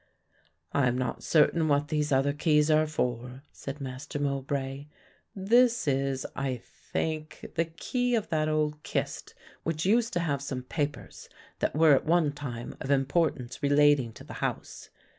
"I am not certain what these other keys are for," said Master Mowbray. "This is, I think, the key of that old kist which used to have some papers that were at one time of importance relating to the house.